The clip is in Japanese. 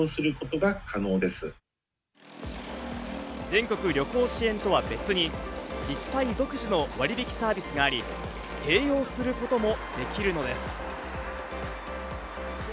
全国旅行支援とは別に自治体独自の割引サービスがあり、併用することもできるのです。